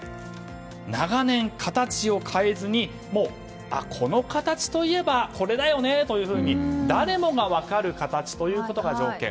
長年、形を変えずにもうこの形といえばこれだよねというように誰もが分かる形ということが条件。